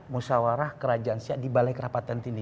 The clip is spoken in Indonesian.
musyawarah kerajaan siak di balai kerapatan tindih